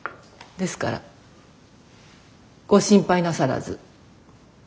ですからご心配なさらず。